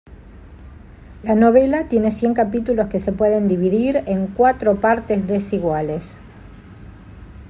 La novela tiene cien capítulos que se pueden dividir en cuatro partes desiguales.